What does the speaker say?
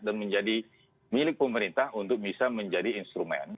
dan menjadi milik pemerintah untuk bisa menjadi instrumen